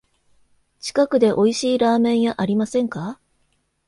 近くでおいしいラーメン屋ありませんか？